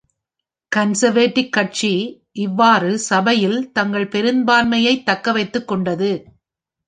Conservative கட்சி இவ்வாறு சபையில் தங்கள் பெரும்பான்மையை தக்க வைத்துக் கொண்டது.